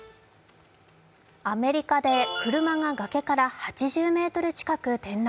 アメリカで車が崖から８０ｍ近く転落。